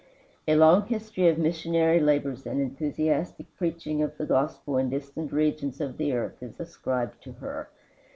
A long history of missionary labors and enthusiastic preaching of the gospel in distant regions of the earth is ascribed to her.